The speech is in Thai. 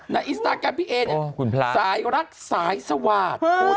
ในอินสตาแกรมพี่เอ๋นเนี่ยสายรักสายสวาสตร์โอ้คุณพลาด